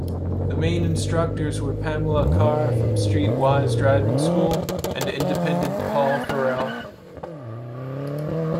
The main instructors were Pamela Carr from Streetwise Driving School and independent Paul Farrall.